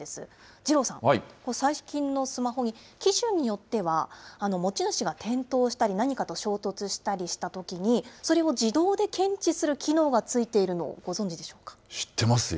二郎さん、ここ最近のスマホに、機種によっては、持ち主が転倒したり、何かと衝突したりしたときに、それを自動で検知する機能がついている知ってますよ。